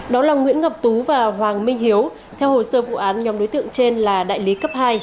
đó là nguyễn ngọc tú và hoàng minh hiếu theo hồ sơ vụ án nhóm đối tượng trên là đại lý cấp hai